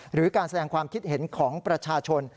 หรือการแสดงความคิดเห็นของประชาชน